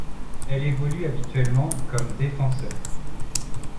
Elle évolue habituellement comme défenseur.